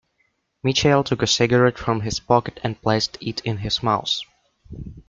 Michael took a cigarette from his pocket and placed it in his mouth.